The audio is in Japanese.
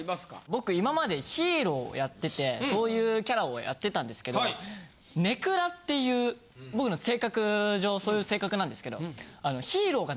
僕今までヒーローをやっててそういうキャラをやってたんですけど根暗っていう僕の性格上そういう性格なんですけど。